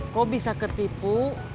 kau bisa ketipu